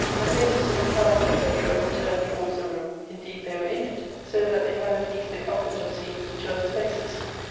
The faces of the cows, etc. were turned towards the room; indeed they were in it, so that they had at least the comfort of seeing each other's faces.